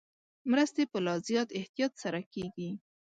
مرستې په لا زیات احتیاط سره کېږي.